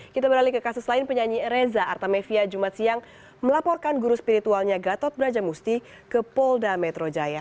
kita beralih ke kasus lain penyanyi reza artamevia jumat siang melaporkan guru spiritualnya gatot brajamusti ke polda metro jaya